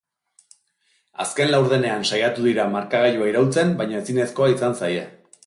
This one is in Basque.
Azken laurdenean saiatu dira markagailua iraultzen baina ezinezkoa izan zaie.